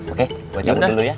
oke gue cabut dulu ya